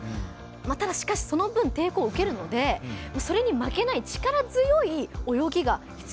ただ、しかしその分、抵抗を受けるのでそれに負けない力強い泳ぎが必要なんです。